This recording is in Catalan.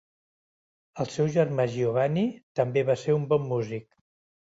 El seu germà Giovanni, també va ser un bon músic.